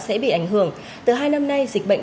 sẽ bị ảnh hưởng từ hai năm nay dịch bệnh